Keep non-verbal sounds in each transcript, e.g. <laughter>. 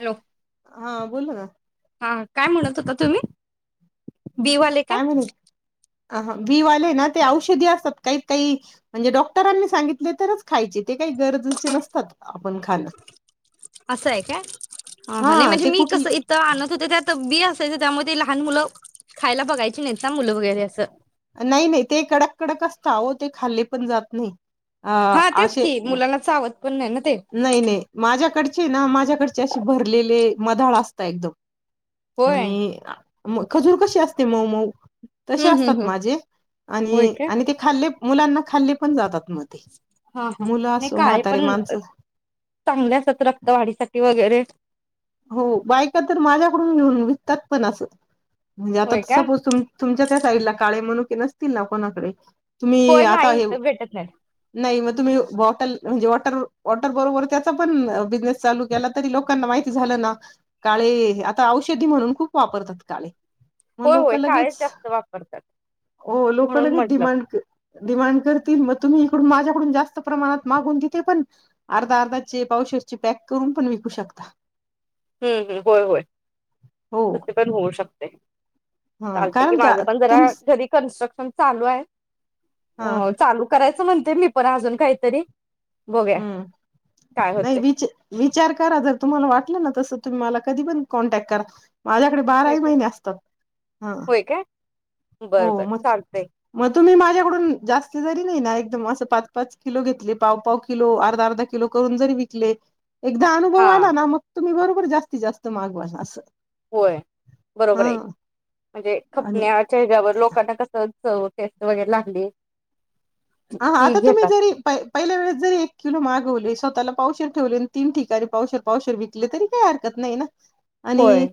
Hello हा बोला ना हा काय म्हणत आता तुम्ही दिवाले काय अ बी वाले ना ते औषधी असतात काही काही म्हणजे डॉक्टरांनी सांगितले तरच खायचे. ते काही गरजेचे नसतात आपण खाणं असं आहे काय ह नाही हा म्हणजे ते कुठ त्यामध्ये लहान मुलं खायला बघायची नाही ना मुलं वगैरे असं. नाही नाही ते कडक कडक असत हो ते खाल्ले पण जात नाही. अ हा तेच असे की मुलाना चाव नाही नाही माझ्याकडचे ना माझ्या कडच्याशी भरलेले मधाळ असता एकदम होय आणि मग खजूर कशी असते मऊ मऊ तसे हम्म हम्म असतात हम् माझे होय आणि काय आणि ते खाल्ले मुलांना खाल्ले पण जातात मग ते. मुलं असो म्हातारे माणसं चांगल्या असात रक्तवाढीसाठी वगैरे हो बायका तर माझ्याकडून घेऊन विकतात पण असं म्हणजे आता होय का सपोज त तुमच्या त्या साईडला काळे मणू नसतील ना कोणाकडे तुम्ही होय आता नाही हे इथं भेटत नाही नाही म तुम्ही बॉटल म्हणजे वॉटर बरोबर त्याचा पण बिझनेस चालू केला तरी लोकांना माहि झालं ना काळे आता औषधी म्हणून खूप वापरतात काळे. मग होय लोक होय काळेच लगेच जास्त वापरतात हो लोक म्हणून लगेच म्हटलं डिमांड डिमांड करतील म तुम्ही इकडून माझ्याकडून जास्त प्रमाणात मागून तिथे पण अर्धा अर्धाचे पावशे चे पॅक करून पण विकू शकता. हम्म हम्म होय होय हो त पण होऊ शकते. हा चालत कि कारण का माझं पण तुम जरा जरी कन्स्ट्रक्शन चालू आहे. हा हो चालू करायचं म्हण ते मी पण अजून काहीतरी बघूया हम्म काय नाही होते विच विचार करा जर तुम्हाला वाटलं ना तस तुम्ही मला कधी पण कॉन्टॅक्ट करा माझ्याकडे होय बाराही काय महिने असतात हा होय काय बरं हो बरं मग चालतंय मग तुम्ही माझ्याकडून जास्त जरी नाही ना एकदम असं पाच पाच किलो घेतले पाव पाव किलो अर्धा अर्धा किलो करून जरी विकले एकदा अनुभव हा आला ना मग तुम्ही बरोबर पुढे जास्तीत जास्त मागवा असं. होय बरोबर हा आहे. म्हणजे आणि खपण्या चेहऱ्यावर लोकांना कसं स टेस्ट वगैरे लागली हा की आता तुम्ही घेतात जरी पहि पहिल्या वेळेस जरी एक किलो मागवले स्वतः त्याला पावशर ठेवले आणि तीन ठिकाणी पावशेर पावशेर विकले तरी काही हरकत नाही ना होय आणि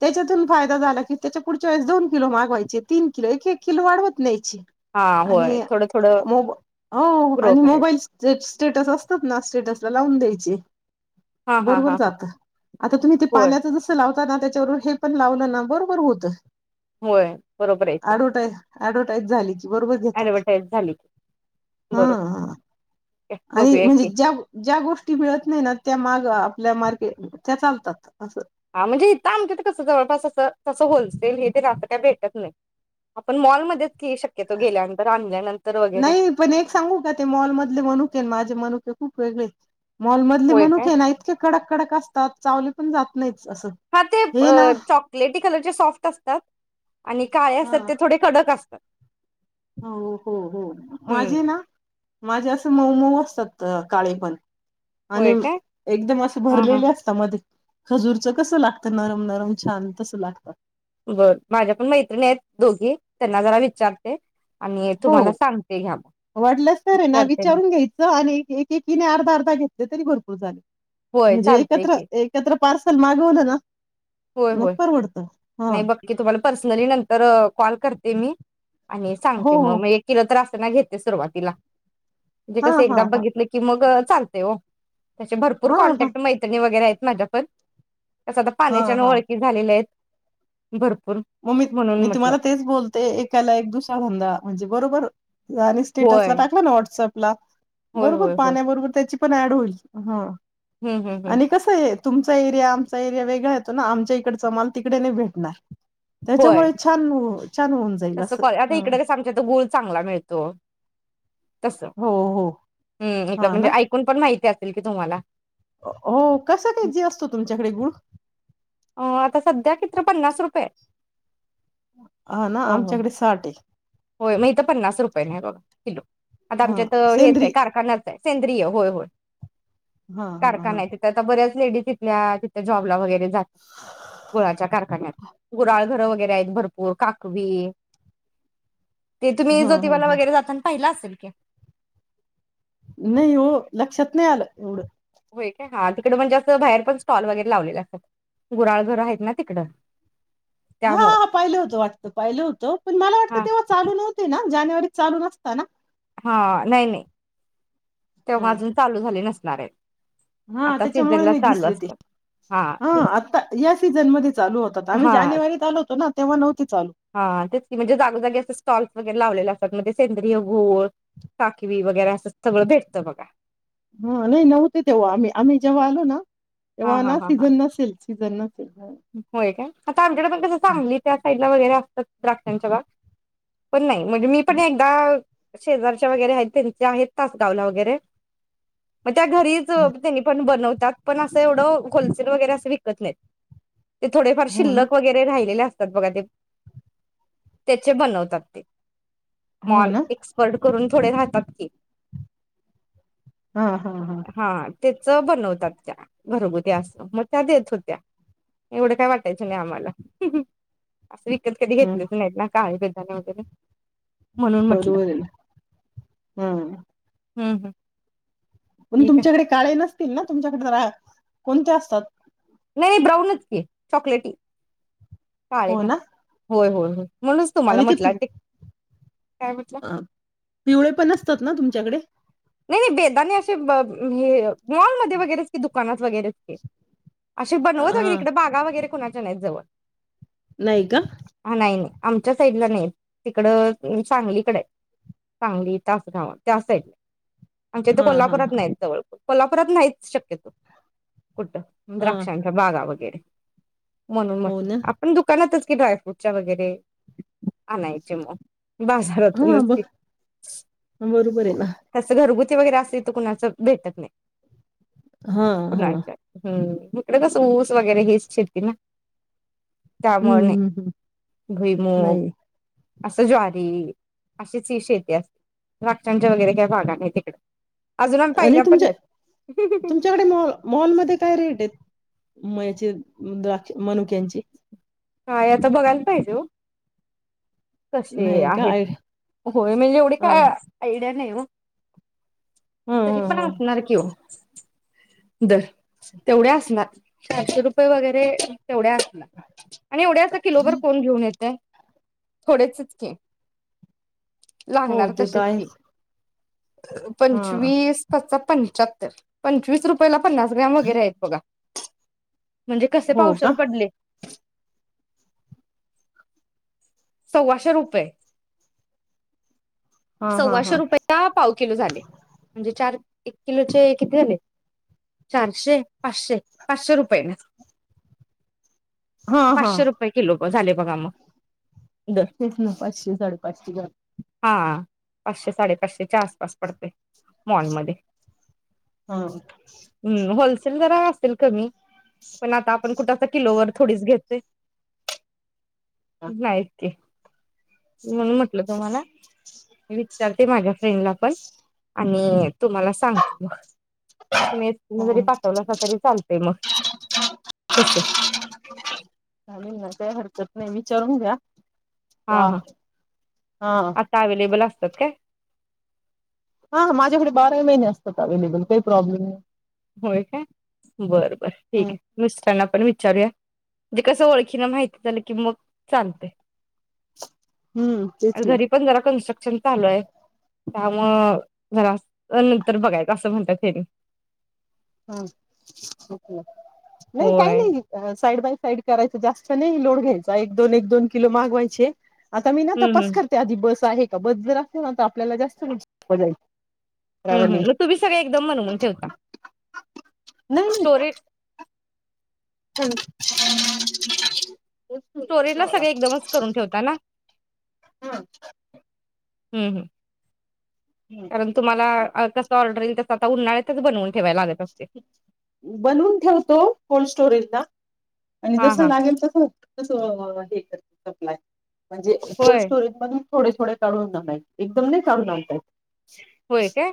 त्याच्यातून फायदा झाला की त्याच्या पुढच्या वेळेस दोन किलो मागवायचे तीन किलो एक एक किलो वाढवत न्याय हा होय थोडं थोडं मो हो ग्रो आणि करायचं मोबाईल स्टेटस असतात ना स्टेटस लावून द्यायची हा हा बरोबर हा हा जात आता तुम्ही ते होय पाण्याच जसं लाव होता ना त्याच्यावर हे पण लावलं ना बरोबर होत. होय बरोबर आहे की ॲडवटाईज अऍडवटाईज झाली की बरोबर घेतात. ऍडव्हर्टाईज झाली बरो हा आणि म्हणजे ज्या ज्या गोष्टी मिळत नाही ना त्या मा आपल्या मार्गे त्या चालतात अस. हा म्हणजे इथं आमच्यात कसं जवळपास असं तसं होलसेल हे तेस् काय भेटत नाही आपण मॉलमध्येच की शक्यतो गेल्यानंतर आणल्यानंतर वगैरे नाही पण एक सांगू का ते मॉल मधले म्हनुके माझे मनुके खूप वेगळेत. मॉलमधले होय काय मनुके ना इतके कडक कडक असतात चावली पण जात नाहीत. हा ते चॉकलेटी कलरचे सॉफ्ट असतात आणि काळे हा असतात ते थोडे कडक असतात. हो हो हो हम्म माझी ना. माझ्या असं मऊ मऊ असतात काळे पण आणि होय काय एकदम असं हा हा भरलेले असता मध्ये खजूरच कसं लागतं नरम नरम छान तसं लागतं. बर माझ्या पण मैत्रिणी आहेत दोघी त्यांना जरा विचारते आणि हो तुम्हाला सांगते घ्या मग वाटलंस तर हे ना करते मी विचारून घ्यायचं आणि एकी एकीने अर्धा, अर्धा घ्या तरी भरपूर झाल होय म्हणजे चालतय एकत्र, की एकत्र पार्सल मागवलं ना होय मग होय परवडतं हा नाही बघकी तुम्हाला पर्सनली नंतर कॉल करते मी आणि सांगते हो म हो मग एक किलो तर आस त्यांना घेते सुरुवातीला म्हणजे कसं हां, एकदा हां, हां. बघितलं की मग चालतय ओ त्याचे भरपूर हां, हां. कॉन्टॅक्ट मैत्रणी वगैर आहेत. माझ्या पण साध्या पाण्याची त्यानं ओळखी झालेल्या आहेत. भरपूर म मी म्हणून मी म्हटलं तुम्हाला तेच बोलते एकाला एक दुसरा धंदा म्हणजे बरोबर आणि स्टेटसला होय, टाकला ना व्हॉट्सअप ला होय, बरोबर होय, होय. पाण्या बरोबर त्याची ती पण ऍड होईल, हा हं, हं, हं. आणि कस ये तुमचा एरिया आमचा एरिया वेगळा येतो ना आमच्या इकडचा माल तिकडे नाही भेटणार त्याच्यामुळे छान छान होऊन जाईल तस असं. कॉ आता हं. इकड कस आमच्या इथ गुळ चांगला मिळतो. तस हो, हो. हम्म हां म्हणजे ना. ऐकून पण माहिती की तुम्हाला <unintelligible> हो कसं के जी असतो तुमच्याकडे गुळ अ आता सध्या कितीतर पन्नास रुपये हाय. हा ना आमच्याकडे साठ आहे. होय मग इथं पन्नास रुपयेने आहे बघा किलो आता हां. आमच्या इथ हेच सेंद्री आहे कारखाना सेंद्रिय होय, होय. हां, हां, हां. कारखाना आहे तिथं आता बऱ्याच ते बी तिथल्या तिथ जॉबला वगै <unintelligible> ते जात गुळाच्या कारखान्यात. गुराळ घरं वगैरे आहेत भरपूर, काकवी, ए ते तुम्ही हां, हां, जोतिबाला हां. वगैरे जाताना पाहिला आस <unintelligible> नही हो, लक्षात नाही आलं एवढं. व्हय काय हा तिकड म्हणजे असं बाहेर पण स्टॉल वगैरे लावलेले असतात, गुराळ घर आहेत ना तिकडं. हा त्यामुळं पाहिलं होतं वाटतं पाहिलं होतं, पण मला हा वाटतं तेव्हा चालू नव्हते ना. जानेवारीत चालू नसता ना? हा, नाही नाही. हा तेव्हा अजून चालू झाले नस नारळ हा त्याच्यामुळे नाही दिसले ते, हा आत्ता याच सीझनमध्ये चालू होतत, आम्ही हा जानेवारीत आलो होतो ना तेव्हा नव्हती चालू. हा तेच की म्हणजे जागोजागी असे स्टॉल्स वगैरे लावलेले असतात म्हजे सेंद्रिय गूळ, काखवी वगैरे असं सगळं भेटतं बघा. हा नाही नव्हते तेव्हा आम्ही, आम्ही जेव्हा आलो ना हा तेव्हा हा ना हा हा सीझन नसेल. क त्यांना होय काय? <unintelligible> नाय वगैरे असतात द्राक्षांच्या बाग, पण नाही. म्हणजे मी पण एकदाआ शेजारच्या वगैरे आहेत, त्यांचे आहेत तासगावला वगैरे. मग त्या घरीच हा, त्यांनी पण बनव त्यात पण असं एवढं होलसेल वगैरे असे विकत नाहीत. ते थोडेफार हो ना शिल्लक वगैर राहिलेले अस <unintelligible> बघा ते त्याचे बनवतात ते. हो मॉल ना एसपर्ड करून थोडे राहतात कि. हा हा हा. तेच बनवतात त्या घरगुती असं मग त्या देत होत्या. एवढं काय वाटायचं नाही आम्हाला. विकत कधी हा घेतलेच नाहीत ना <unintelligible> <unintelligible> म्हणून म्हटलं बरोबर हम. हम् हम. म्हण तुमच्याकडे काळ आहे न तीलना तुमच्याकडे जरा कोणते्या असतात. नाही नाही ब्राऊनच की चॉकलेटी काले ना. होय, होय हो. आणि ते प काय म्हटलं पिवळे पण असतात ना तुमच्याकडे? नाही नाही बेदाने आणि असे हे मॉलमध्ये वगैरेच कि दुकानात वगैरेच की असे बनवत हा वगैरे इकडे बागा वगैरे कोणा जन आहेत जवळ. नाहीय का. हा नाही नाही आमच्या साईडला नाही तिकडं सांगलीकडे आहे सांगली तासधाव त्याच साईडला आमच्या तर हां, हां, कोल्हापुरात हां. नाहीत जवळकोन. कोल्हापुरात नाहीच शक्यतो. कुठ हां, द्राक्षांच्या बागा व गेरे. म्हणून हो म्हटलं ना. आपण दुकानातच कि ड्रायफ़ुटच्या वगैरे आणायचे म हां, ब बाजारातूनचकी बरोबर आहे ना. घरगुती वगैरे आस हित कुणाच भेटत नाही. हां, हां. कुणाचा हम्म. हिकड कसं ऊस वगैरे हेच शेती ना. हं, त्यामुळे नाही हं, हं. भुईमुग. नाही असं ज्वारी अशीच ही शेती असते द्राक्षांच्या वगैरे काही बागा नाही तिकडं. आणि तुमचे तुमच्याकडे मॉल मॉलमध्ये काय रेट आहेत. मयाचे द्राक्ष मनुक्यांचे नाही आता बघायला पाहिजे ओ. तसे नाही का? आहेत आय होय म्हणजे एवढी काय हां, हां. आयडिया नाही ओ. हां, तरी हां, पण हां. असणार कि ओ. दर तेवढे असणार चारशे रुपये वगैरे तेवढ्या असला आणि एवढ्या असं किलोभर कोण घेऊन येतय. थोडेचचकी हो, लागणार ते तर तसेच की आहेच. हां. पंचवीस पाचा पंचहत्तर पंचवीस रुपयला पननास ग्राम वगैरे आहेत बघा. म्हणजे कसे हो का? पावशेर पडले? सव्वाशे रुपये हां, हां, सव्वाशे हां. रुपयेला पाव किलो झाले म्हणजे चार एक किलोचे किती झाले चारशे पाचशे पाचशे रुपये नेच हां, हां. पाशे रुपये किलो. होय झाले बघा मग दर तेच ना पाचशे साडेपाचशे घ्या हा पाचशे साडेपाचशेच्या आसपास पडते मॉलमध्ये. हा शेंग जरा असतील कमी पण आता आपण कुठ आता किलो वर थोडीच घेते हां. नाही. ते म्हणून म्हटलं लं तुम्हाला मी विचारते माझ्या फ्रेंडला पण आणि तुम्हाला सांगते मग तुम्ही तु हो, जरी पाठवलं असा तरी चालतय मग तस चालेल ना, काही हरकत नाही विचारून घ्या हा वाह! हा हां. आता अवेलेबल अस तत काय हा माझ्याकडे बारा महिने असतात अवे्हेलेबल काही प्रॉब्लेम नाही होय काय बर, बर ठीक हं, आहे मिस्टरांना पण विचारूया म्हणजे कस ओळखीन माहिती झालं की मग चालतय हं. आणि तेच ना. घरी पण जरा कन्स्टक् पण चालू आहे त्यामुळ घरा नंतर बघायच असं म्हणतात हेनी हम् क नाही काही होय नाही साईड बाय साईड करायच जास्त नाही लोड घ्यायचा एक दोन एक दोन किलो मागवायचे आता मी ना हम्म तपास हम्म करते आधी बस आहे का बद जर असते ना तर आपल्याला जास्त सोपं जाईल हुं, हुं ट्रॅव्हलिंग मग तुम्ही सगळे एकदम मनमुन ठेवता नाही स्टोरेज <inaudible> स्टोरीला सगळे एकदमच करून ठेवता ना? ह, ह नाही कारण तुम्हाला कस ऑर्डर आता उन्हाळ्यातच बनवून ठेवाय लाग बनवून ठेवतो कोल्ड स्टोरेज ला आणि हां जस हां लागेल तसं हे करते सप्लाय म्हणजे कोल्ड होय स्टोरेज पण थोडे थोडे काढून आणय एकदम नाही काढून आणता येत होय काय?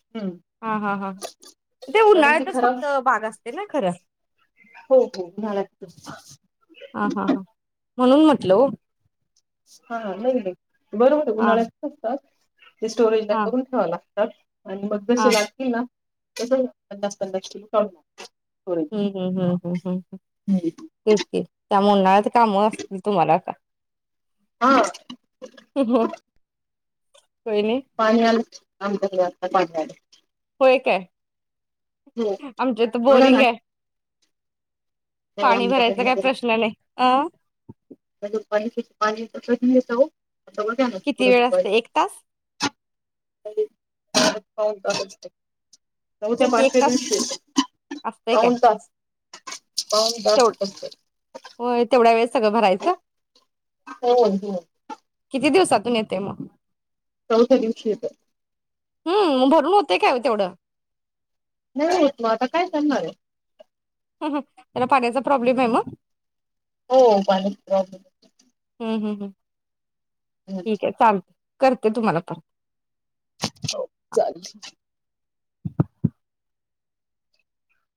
येत हा, हा, हा ते कारण उन्हाळ्यातच खराब फक्त भाग असते ना खरं? हो, हो उन्हाळ्यातच हा हा हा म्हणून म्हटल ओ हा नाही, नाही. बरोबर हा उन्हाळ्यातच असतात. ते स्टोरेज ला हा करून ठेवा ला <unintelligible> आणि मग हा जसे लागतील ना तस पन्नास, पन्नास किलो काढून आन हुं हुं हुं हुं हुं हुं हम्म. तेच की त्या उन्हाळ्यात काम असतील तुम्हाला आता हा <unintelligible> होय नाही पाणी आल काम पडलय आता पाणी आलंय. होय काय? आमच्या तर बघा ना बोरिंग ये. पाणी आमच्याकडे भरायचा काय नगर प्रश्न नाय अ पाहिजेल तसा की येतो. किती वेळ असत एक तास <unintelligible> पाऊण तास असतंय. चौथ्या तेच की एक पाचव्या तास दिवशी येत असतंय काय पाऊण तास पाऊण तास तेवढ फक्त होय तेवढ्या वेळेस सगळं भरायचं. होय हो. किती दिवसातून येतय म चौथ्या दिवशी येत. हु म भरून होतेय काय तेवढं नाही होेत आता काय करणारये. त्याला पाण्याचा प्रॉब्लेम आहे म हो पाण्याचा प्रॉब्लेमच ये हु हु हु ठीक आहे चालत करते तुम्हाला परत हो चाल